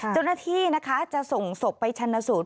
เจ้าหน้าที่นะคะจะส่งศพไปชนะสูตร